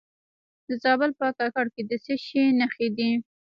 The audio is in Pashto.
د زابل په کاکړ کې د څه شي نښې دي؟